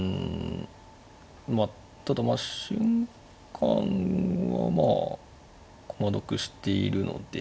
まあただ瞬間はまあ駒得しているので。